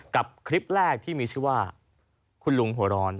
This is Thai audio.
คลิปแรกที่มีชื่อว่าคุณลุงหัวร้อน